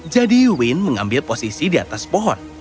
jadi wayne mengambil posisi di atas pohon